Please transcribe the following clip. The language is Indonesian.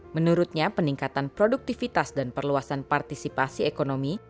menurutnya peningkatan produktivitas dan perluasan partisipasi ekonomi